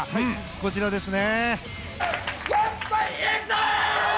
こちらですね。